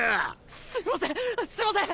すみませんすみません！